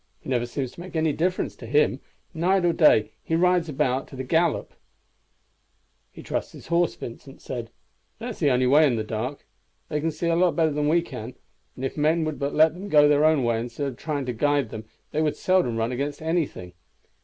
It never seems to make any difference to him; day or night he rides about at a gallop." "He trusts his horse," Vincent said. "That's the only way in the dark. They can see a lot better than we can, and if men would but let them go their own way instead of trying to guide them they would seldom run against anything.